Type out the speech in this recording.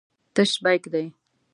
تش بیک دی.